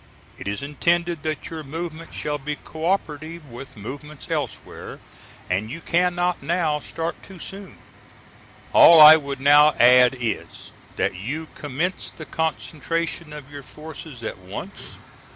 It is intended that your movements shall be co operative with movements elsewhere, and you cannot now start too soon. All I would now add is, that you commence the concentration of your forces at once.